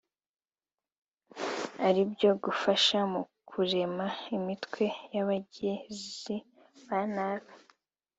ari byo gufasha mu kurema imitwe y’abagizi ba nabi